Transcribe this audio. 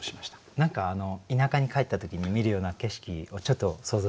何か田舎に帰った時に見るような景色を想像しましたね。